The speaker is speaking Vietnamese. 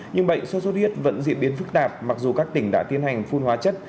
nhưng bệnh số số thiết vẫn diễn biến phức tạp mặc dù các tỉnh đã tiến hành phun hóa chất